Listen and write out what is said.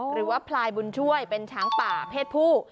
พลายบุญช่วยเป็นช้างป่าเพศผู้